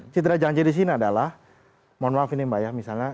citra janji di sini adalah mohon maaf ini mbak ya misalnya